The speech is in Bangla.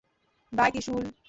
বাই, ত্রিশূল।